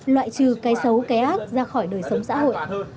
loại trừ cái xấu cái ác ra khỏi đời sống xã hội